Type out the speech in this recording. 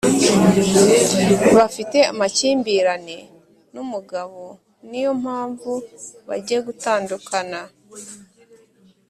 Bafite amakimbirane numugabo niyompamvu bagiye gutandukana